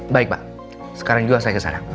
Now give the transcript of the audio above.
baik pak sekarang juga saya ke sana